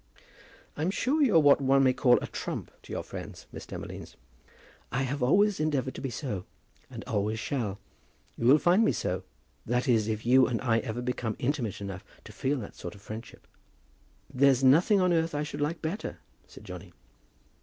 "I'm sure you're what one may call a trump to your friends, Miss Demolines." "I have always endeavoured to be so, and always shall. You will find me so; that is if you and I ever become intimate enough to feel that sort of friendship." "There's nothing on earth I should like better," said Johnny.